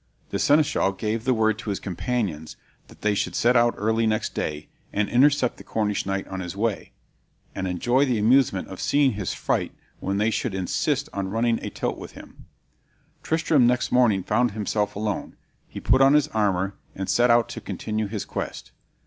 The Seneschal gave the word to his companions that they should set out early next day, and intercept the Cornish knight on his way, and enjoy the amusement of seeing his fright when they should insist on running a tilt with him. Tristram next morning found himself alone; he put on his armor, and set out to continue his quest.